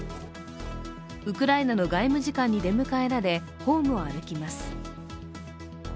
ウクライナの外務次官に出迎えられ、ホームを歩きます。